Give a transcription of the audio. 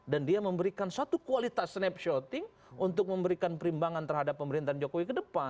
dan dia memberikan satu kualitas snapshoting untuk memberikan perimbangan terhadap pemerintahan jokowi